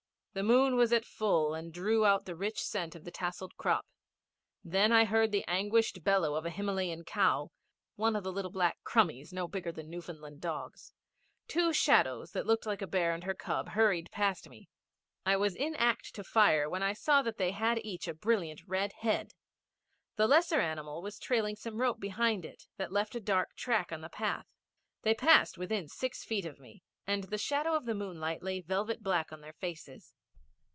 The moon was at full and drew out the rich scent of the tasselled crop. Then I heard the anguished bellow of a Himalayan cow, one of the little black crummies no bigger than Newfoundland dogs. Two shadows that looked like a bear and her cub hurried past me. I was in act to fire when I saw that they had each a brilliant red head. The lesser animal was trailing some rope behind it that left a dark track on the path. They passed within six feet of me, and the shadow of the moonlight lay velvet black on their faces.